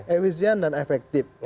evisian dan efektif